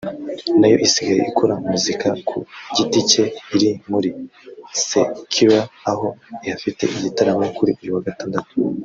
nayo isigaye ikora muzika ku giti cye iri muri Seychelles aho ihafite igitaramo kuri uyu wa Gatandatu